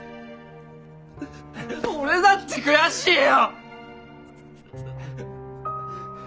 俺だって悔しいよ！